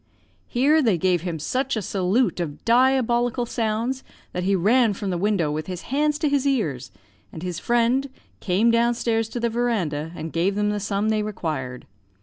Here they gave him such a salute of diabolical sounds that he ran from the window with his hands to his ears, and his friend came down stairs to the verandah, and gave them the sum they required.